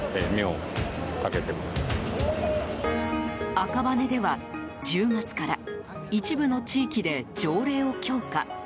赤羽では１０月から一部の地域で条例を強化。